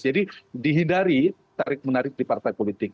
jadi dihindari tarik menarik di partai politik